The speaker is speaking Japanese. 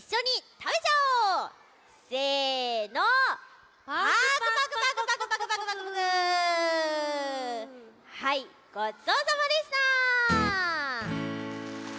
はいごちそうさまでした！